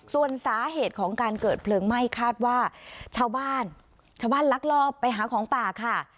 ส่วนสาเหตุของการเกิดเพลิงไหม้คาดว่าชาวบ้านชาวบ้านลักลอบไปหาของป่าค่ะ